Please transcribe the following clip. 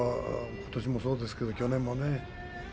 ことしもそうですけど去年もね